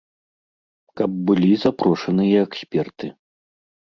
Каб былі запрошаныя эксперты.